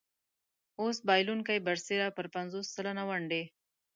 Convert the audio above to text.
اوس بایلونکی برسېره پر پنځوس سلنه ونډې.